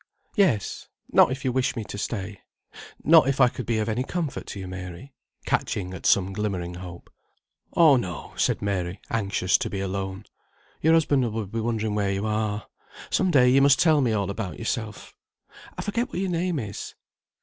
"Yes. Not if you wish me to stay. Not if I could be of any comfort to you, Mary;" catching at some glimmering hope. "Oh, no," said Mary, anxious to be alone. "Your husband will be wondering where you are. Some day you must tell me all about yourself. I forget what your name is?"